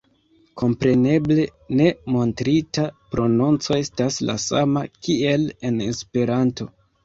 Kompreneble, ne montrita prononco estas la sama, kiel en Esperanto.